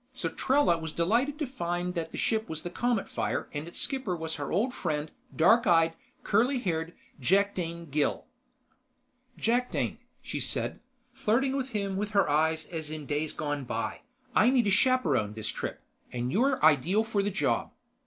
So Trella was delighted to find that the ship was the Cometfire and its skipper was her old friend, dark eyed, curly haired Jakdane Gille. "Jakdane," she said, flirting with him with her eyes as in days gone by, "I need a chaperon this trip, and you're ideal for the job."